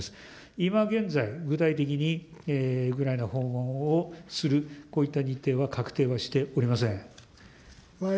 今現在、具体的にウクライナ訪問をする、こういった日程は確定はしておりません。